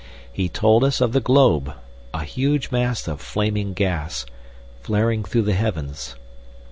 He told us of the globe, a huge mass of flaming gas, flaring through the heavens.